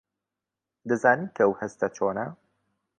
دەزانیت کە ئەو هەستە چۆنە؟